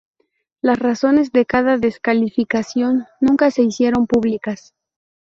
Las razones de cada descalificación nunca se hicieron públicas.